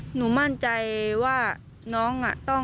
หนูมั่นใจว่าน้อง